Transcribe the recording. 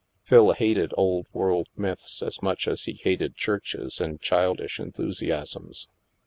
Phil hated old world myths as much as he hated churches and childish enthusiasms.